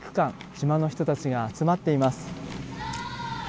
島の人たちが集まっています。